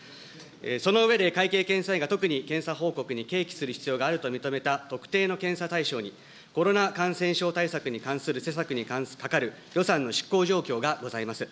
その上で、会計検査院が特に検査報告に継起する必要があると認めた特定の検査対象にコロナ感染症対策に関する施策にかかる予算の執行状況がございます。